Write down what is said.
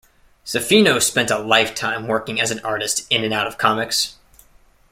Zaffino spent a lifetime working as an artist in and out of comics.